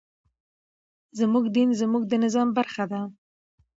زموږ دين زموږ د نظام برخه ده.